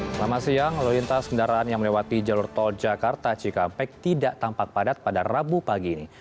selama siang lalu lintas kendaraan yang melewati jalur tol jakarta cikampek tidak tampak padat pada rabu pagi ini